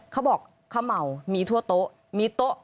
เขาบอกเขาเหมามีทั่วโต๊ะมีโต๊ะ